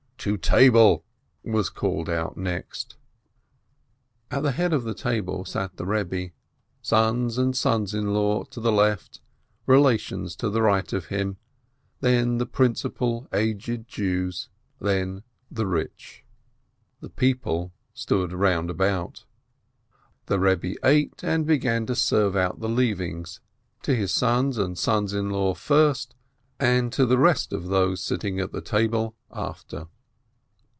"To table !" was called out next. At the head of the table sat the Eebbe, sons and sons in law to the left, relations to the right of him, then the principal aged Jews, then the rich. 538 ASCH The people stood round about. The Rebbe ate, and began to serve out the leavings, to his sons and sons in law first, and to the rest of those sitting at the table after.